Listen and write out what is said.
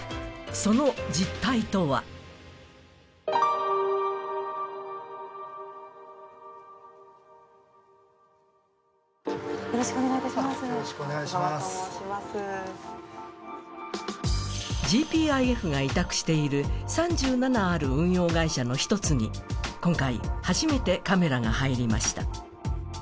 その実態とはＧＰＩＦが委託している３７ある運用会社の１つに今回初めてカメラが入りました。